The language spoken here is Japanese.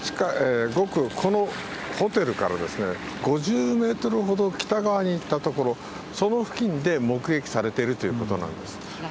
このホテルから５０メートルほど北側に行った所、その付近で目撃されてるということなんです。